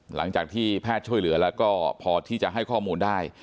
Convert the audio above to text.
หลังจากที่แพทย์ช่วยเหลือแล้วก็พอที่จะให้ข้อมูลได้